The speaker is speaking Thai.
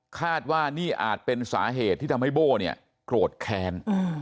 คาดว่านี่อาจเป็นสาเหตุที่ทำให้โบ้เนี่ยโกรธแค้น